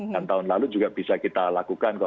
dan tahun lalu juga bisa kita lakukan kok